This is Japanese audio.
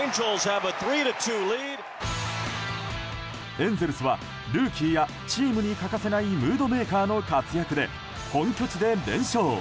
エンゼルスはルーキーやチームに欠かせないムードメーカーの活躍で本拠地で連勝。